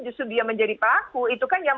justru dia menjadi pelaku itu kan yang